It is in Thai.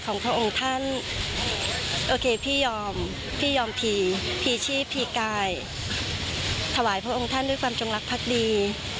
ถว่ายพระองค์ท่านด้วยความจงรักพักดี